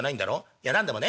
「いや何でもね